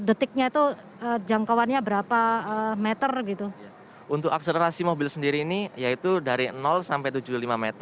detiknya itu jangkauannya berapa meter gitu untuk akselerasi mobil sendiri ini yaitu dari sampai tujuh puluh lima meter